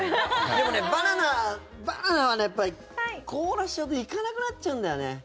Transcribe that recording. でもね、バナナはやっぱり凍らせちゃうといかなくなっちゃうんだよね。